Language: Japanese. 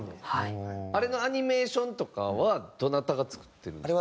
あれのアニメーションとかはどなたが作ってるんですか？